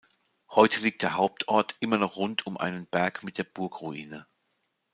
Heute liegt der Hauptort immer noch rund um einen Berg mit der Burgruine.